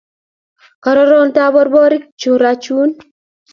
Kororon taborborik churachun